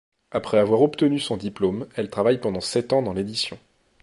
Après avoir obtenu son diplôme, elle travaille pendant sept ans dans l'édition.